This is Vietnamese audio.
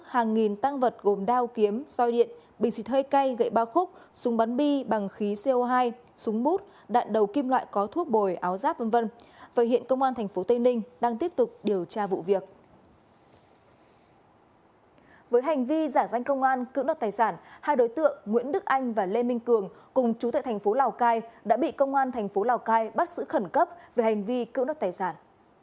hành vi giả danh công an cưỡng đất tài sản hai đối tượng nguyễn đức anh và lê minh cường cùng chú tại thành phố lào cai đã bị công an thành phố lào cai bắt giữ khẩn cấp về hành vi cưỡng đất tài sản